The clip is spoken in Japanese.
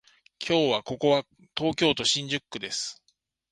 今日はここは東京都新宿区です